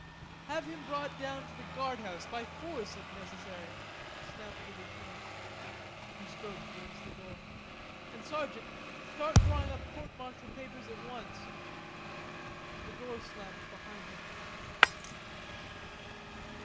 "Have him brought down to the guardhouse, by force if necessary," snapped the lieutenant. He strode towards the door. "And sergeant, start drawing up court martial papers at once." The door slammed behind him.